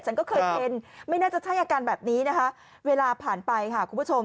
ฉันก็เคยเป็นไม่น่าจะใช่อาการแบบนี้นะคะเวลาผ่านไปค่ะคุณผู้ชม